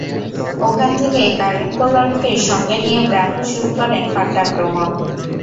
ওখান থেকেই কাইরন পোলার্ডকে সঙ্গে নিয়ে ব্রাভো শুরু করেন পাল্টা আক্রমণ।